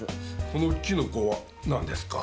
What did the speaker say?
このキノコは何ですか？